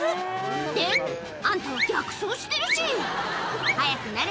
で、あんた、逆走してるし。